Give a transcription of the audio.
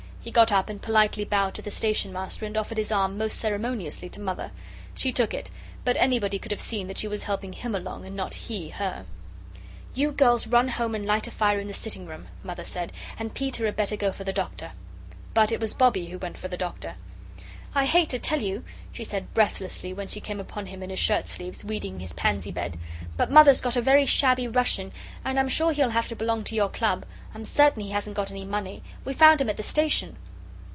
He got up and politely bowed to the Station Master, and offered his arm most ceremoniously to Mother. She took it, but anybody could have seen that she was helping him along, and not he her. "You girls run home and light a fire in the sitting room," Mother said, "and Peter had better go for the Doctor." But it was Bobbie who went for the Doctor. "I hate to tell you," she said breathlessly when she came upon him in his shirt sleeves, weeding his pansy bed, "but Mother's got a very shabby Russian, and I'm sure he'll have to belong to your Club. I'm certain he hasn't got any money. We found him at the station."